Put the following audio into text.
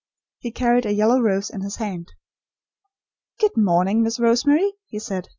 He carried a yellow rose in his hand. "Good day, Miss Rosemary," he said.